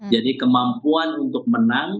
jadi kemampuan untuk menang